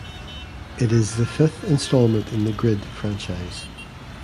It is the fifth installment in the "Grid" franchise.